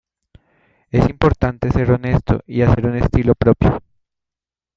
Es importante ser honesto y hacer un estilo propio".